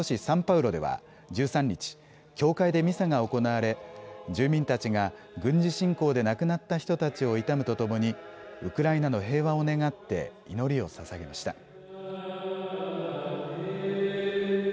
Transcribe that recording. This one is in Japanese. サンパウロでは１３日、教会でミサが行われ住民たちが軍事侵攻で亡くなった人たちを悼むとともにウクライナの平和を願って祈りをささげました。